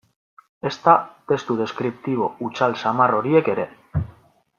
Ezta testu deskriptibo hutsal samar horiek ere.